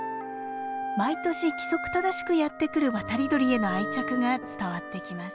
毎年規則正しくやってくる渡り鳥への愛着が伝わってきます。